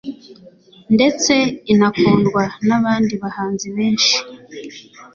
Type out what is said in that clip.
ndetse inakundwa n'abandi bahanzi benshi